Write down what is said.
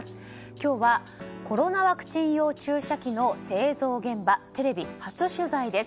今日はコロナワクチン用注射器の製造現場テレビ初取材です。